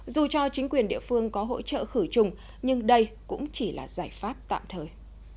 dù cho chính quyền địa phương có hỗ trợ khử trùng nhưng đây cũng chỉ là giải pháp tạm thời